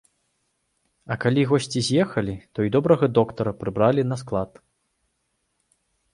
А калі госці з'ехалі, то і добрага доктара прыбралі на склад.